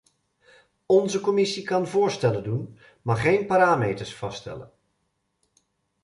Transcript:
Onze commissie kan voorstellen doen, maar geen parameters vaststellen.